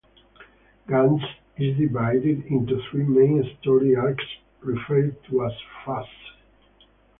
"Gantz" is divided into three main story arcs referred to as "phases".